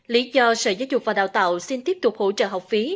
lý do sở giáo dục và đào tạo xin tiếp tục hỗ trợ học phí